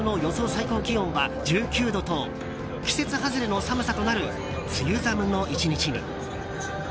最高気温は１９度と季節外れの寒さとなる梅雨寒の１日に。